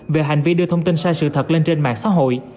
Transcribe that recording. về hành vi đưa thông tin sai sự thật lên trên mạng xã hội